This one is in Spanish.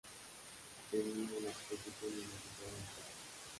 Tenía una exposición individual en Roma.